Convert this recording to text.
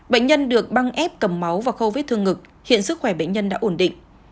bệnh nhân được băng ép cầm máu và khâu vết thương ngực hiện sức khỏe bệnh nhân đã ổn định